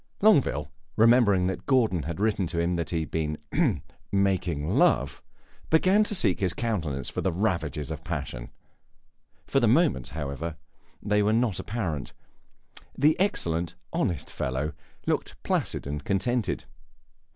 Longueville, remembering that Gordon had written to him that he had been "making love," began to seek in his countenance for the ravages of passion. For the moment, however, they were not apparent; the excellent, honest fellow looked placid and contented.